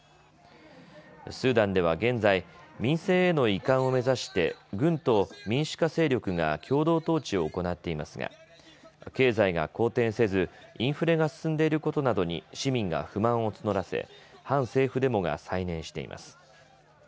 スーダンでは現在、民政への移管を目指して軍と民主化勢力が共同統治を行っていますが経済が好転せずインフレが進んでいることなどに市民が不満を募らせ反政府デモが再燃しています。